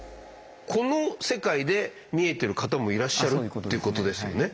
この世界で見えてる方もいらっしゃるってことですよね。